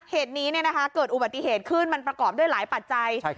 เหตุนี้เกิดอุบัติเหตุขึ้นมันประกอบด้วยหลายปัจจัย